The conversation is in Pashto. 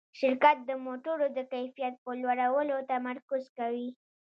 شرکت د موټرو د کیفیت په لوړولو تمرکز کوي.